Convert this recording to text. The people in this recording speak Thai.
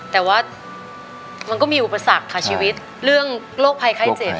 แต่ว่ามันก็มีอุปสรรคค่ะชีวิตเรื่องโรคภัยไข้เจ็บ